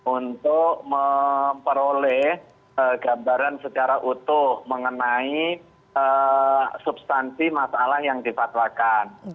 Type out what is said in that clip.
untuk memperoleh gambaran secara utuh mengenai substansi masalah yang difatwakan